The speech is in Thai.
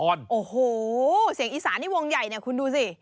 โอ้โหเสียงอีสานนี่วงใหญ่เนี่ยคุณดูสิ